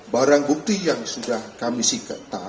barang bukti yang sudah kami sikat